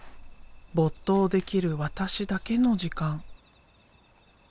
没頭できる私だけの時間。